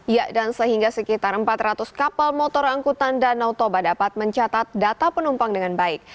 ya dan sehingga sekitar empat ratus kapal motor angkutan danau toba dapat mencatat data penumpang dengan baik